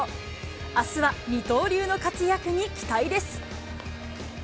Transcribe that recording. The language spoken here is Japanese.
あすは二刀流の活躍に期待です。